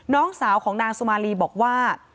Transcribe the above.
น้องสาวของนางสุมารีบอกว่า